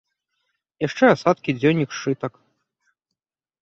Яшчэ асадкі, дзённік, сшытак.